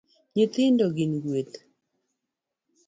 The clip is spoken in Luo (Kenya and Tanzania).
Nyithindo gin gweth